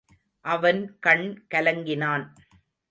அவன் கண் கலங்கினான்.